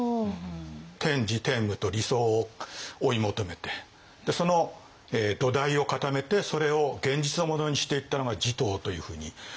天智天武と理想を追い求めてその土台を固めてそれを現実のものにしていったのが持統というふうに。